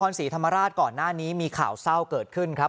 ศรีธรรมราชก่อนหน้านี้มีข่าวเศร้าเกิดขึ้นครับ